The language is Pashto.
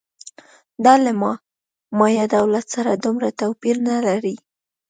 دا له مایا دولت سره دومره توپیر نه لري